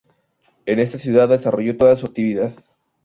En esta ciudad desarrolló toda su actividad.